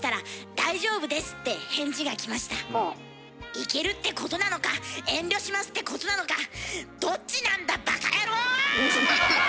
行けるってことなのか遠慮しますってことなのかどっちなんだバカヤロー！